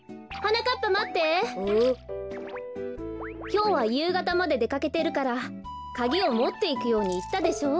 きょうはゆうがたまででかけてるからカギをもっていくようにいったでしょう。